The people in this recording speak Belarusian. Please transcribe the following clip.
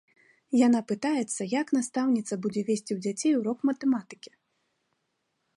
Яна пытаецца, як настаўніца будзе весці ў дзяцей урок матэматыкі.